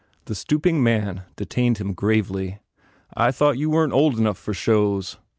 The stooping man detained him gravely. "I thought you weren t old enough for shows."